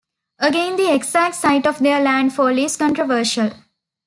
Again, the exact site of their landfall is controversial.